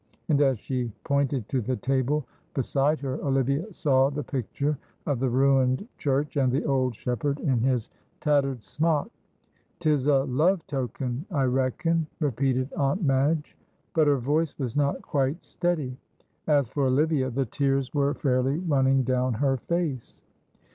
And as she pointed to the table beside her, Olivia saw the picture of the ruined church, and the old shepherd in his tattered smock. "'Tis a love token, I reckon," repeated Aunt Madge, but her voice was not quite steady. As for Olivia, the tears were fairly running down her face.